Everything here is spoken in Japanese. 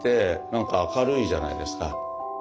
何か明るいじゃないですか。